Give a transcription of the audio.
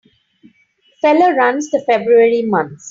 Feller runs the February months.